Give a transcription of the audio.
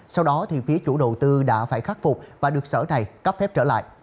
sau đó phía chủ đầu tư đã phải khắc phục và được sở này cấp phép trở lại